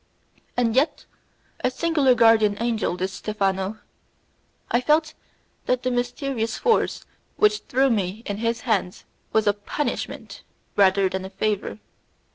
And yet, a singular guardian angel, this Stephano! I felt that the mysterious force which threw me in his hands was a punishment rather than a favour.